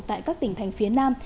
tại các tỉnh thành phía nam